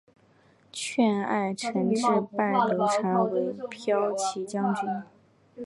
邓艾承制拜刘禅为骠骑将军。